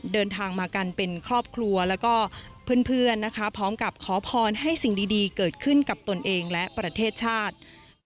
เดินทางมากันเป็นครอบครัวแล้วก็เพื่อนนะคะพร้อมกับขอพรให้สิ่งดีเกิดขึ้นกับตนเองและประเทศชาติ